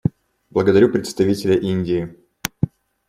Благодарю представителя Индии.